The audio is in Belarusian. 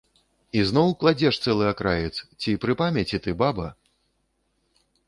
Ізноў кладзеш цэлы акраец, ці пры памяці ты, баба?